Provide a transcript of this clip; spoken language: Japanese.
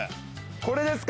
これですか？